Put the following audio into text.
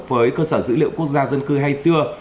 với cơ sở dữ liệu quốc gia dân cư hay xưa